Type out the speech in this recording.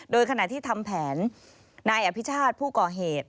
โดยขณะที่ทำแผนนายอภิชาติผู้ก่อเหตุ